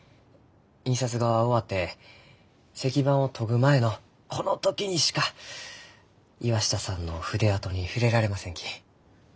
印刷が終わって石版を研ぐ前のこの時にしか岩下さんの筆跡に触れられませんき。